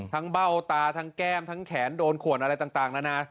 เบ้าตาทั้งแก้มทั้งแขนโดนขวนอะไรต่างนะนะ